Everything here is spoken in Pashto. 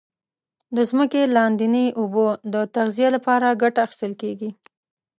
د ځمکې لاندي اوبو د تغذیه لپاره کټه اخیستل کیږي.